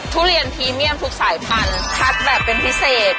ทุเรียนพรีเมียมทุกสายพันธุ์คัดแบบเป็นพิเศษ